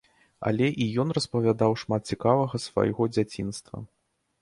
Але і ён распавядаў шмат цікавага з свайго дзяцінства.